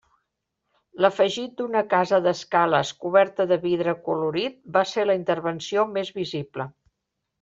L'afegit d'una casa d'escales coberta de vidre acolorit va ser la intervenció més visible.